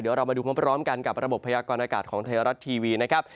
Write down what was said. เดี๋ยวเรามาดูพร้อมกันกับระบบพยากรณากาศของไทยรัฐทีวีนะครับ